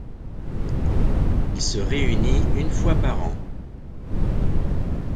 Il se réunit une fois par an.